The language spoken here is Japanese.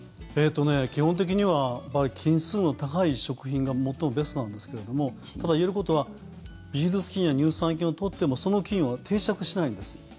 基本的には菌数の高い食品が最もベストなんですけれどもただ、言えることはビフィズス菌や乳酸菌を取ってもその菌は定着しないんです。